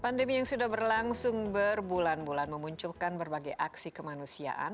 pandemi yang sudah berlangsung berbulan bulan memunculkan berbagai aksi kemanusiaan